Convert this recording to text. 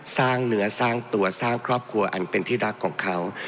สร้างเนื้อสร้างตัวสร้างครอบครัวอันเป็นที่รักของเขา